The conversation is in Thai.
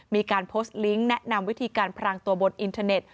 มีการโพสต์ลิงก์แนะนำวิธีการพรางตัวบนอินเทอร์เน็ต